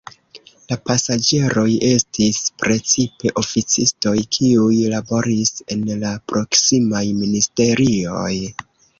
La pasaĝeroj estis precipe oficistoj, kiuj laboris en la proksimaj ministerioj.